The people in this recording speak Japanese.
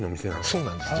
そうなんです